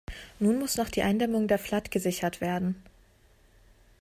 Nun muss noch die Eindämmung der Flood gesichert werden.